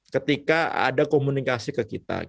ketika ada komunikasi ke kita